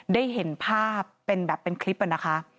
ได้เห็นภาพเป็นแบบเป็นคลิปนะคะ